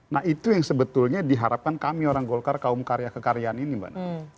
nah itu yang sebetulnya diharapkan kami orang golkar kaum karya kekaryaan ini mbak nana